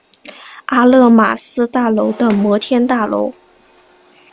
阿勒玛斯大楼的摩天大楼。